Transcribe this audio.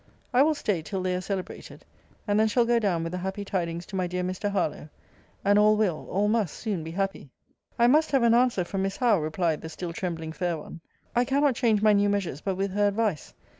I will stay till they are celebrated; and then shall go down with the happy tidings to my dear Mr. Harlowe. And all will, all must, soon be happy. I must have an answer from Miss Howe, replied the still trembling fair one. I cannot change my new measures but with her advice.